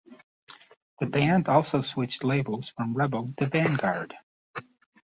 The band also switched labels from Rebel to Vanguard.